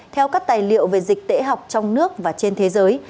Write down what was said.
theo các tài liệu về dịch tễ học trong nước và trên thế giới